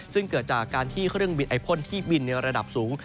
ซึ่งเกิดจากการที่เครื่องบินไอพ่นที่บินในระดับสูง